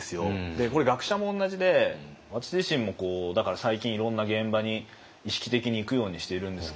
これ学者も同じで私自身もだから最近いろんな現場に意識的に行くようにしているんですけれども。